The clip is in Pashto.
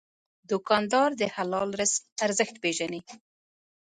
دوکاندار د حلال رزق ارزښت پېژني.